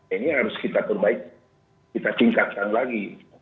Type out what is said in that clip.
ini harus kita perbaiki kita tingkatkan lagi